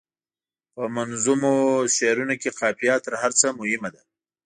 په منظومو شعرونو کې قافیه تر هر څه مهمه ده.